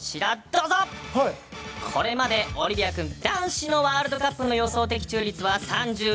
これまでオリビア君、男子のワールドカップ予想的中率は３１．３％。